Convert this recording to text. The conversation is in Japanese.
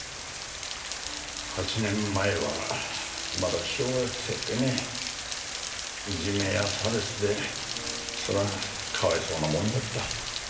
８年前はまだ小学生でねいじめや差別でそりゃあかわいそうなもんだった。